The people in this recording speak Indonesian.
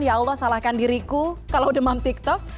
ya allah salahkan diriku kalau demam tiktok